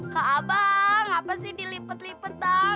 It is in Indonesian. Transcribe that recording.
kak abang apa sih dilipet lipet bang